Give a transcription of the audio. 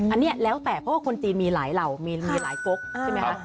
อันนี้แล้วแต่เพราะว่าคนจีนมีหลายเหล่ามีหลายก๊กใช่ไหมคะ